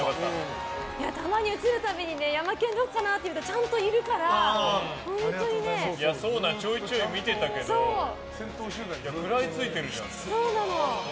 たまに映るたびにヤマケンどこかなって思ったらちょいちょい見てたけど食らいついてるんだよ。